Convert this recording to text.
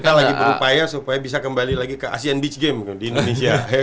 kita lagi berupaya supaya bisa kembali lagi ke asean beach game di indonesia